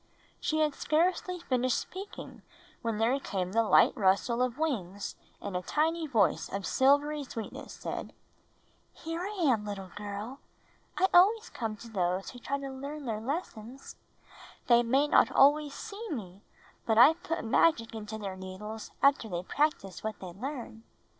She had scarcely finished speaking when there came the light rustle of wings; and a tiny voice of silvery sweetness said, "Here I am, little girl. I always come to help those who try to learn their 'Here I 'Mn , little ^irl T The Magic Rhyme 115 lessons. They may not always see me, but I put magic into their needles after they practice what they learn.